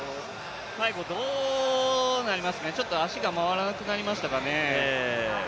最後どうなりましたかね、足が回らなくなりましたかね。